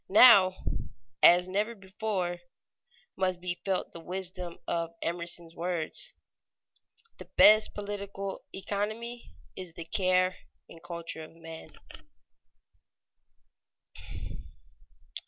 Now, as never before, must be felt the wisdom of Emerson's words: "The best political economy is the care and culture of men."